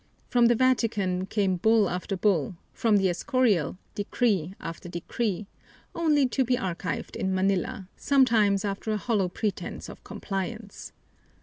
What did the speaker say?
From the Vatican came bull after bull, from the Escorial decree after decree, only to be archived in Manila, sometimes after a hollow pretense of compliance.